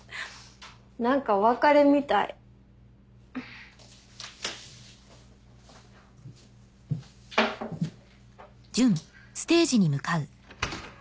何かお別れみたいふふっ。